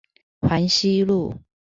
環西路